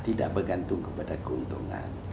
tidak bergantung kepada keuntungan